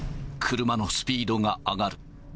車のスピードが上がる。